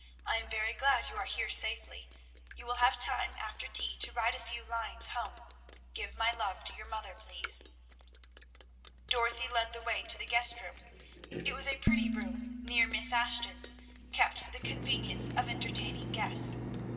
I am very glad you are here safely. You will have time after tea to write a few lines home. Give my love to your mother, please." Dorothy led the way to the guest room. It was a pretty room near Miss Ashton's, kept for the convenience of entertaining guests.